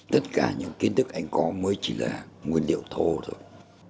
tất cả những kiến thức anh có mới chỉ là nguyên liệu thô thôi